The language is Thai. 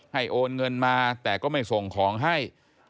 โอนเงินมาแต่ก็ไม่ส่งของให้